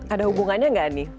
ada hubungannya nggak nih